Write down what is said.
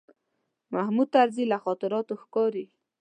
د محمود طرزي له خاطراتو ښکاري.